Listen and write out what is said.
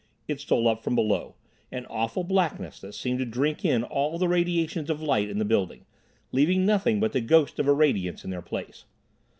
It stole up from below—an awful blackness that seemed to drink in all the radiations of light in the building, leaving nothing but the ghost of a radiance in their place.